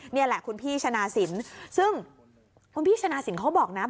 นี่แหละคุณพี่ชนะสินซึ่งคุณพี่ชนะสินเขาบอกนะ